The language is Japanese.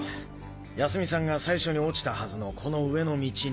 泰美さんが最初に落ちたはずのこの上の道に。